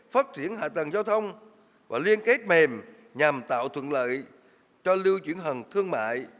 phát triển hạ tầng giao thông và liên kết mềm nhằm tạo thuận lợi cho lưu chuyển hàng thương mại